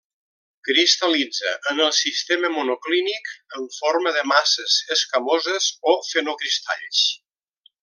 Cristal·litza en el sistema monoclínic, en forma de masses escamoses o fenocristalls.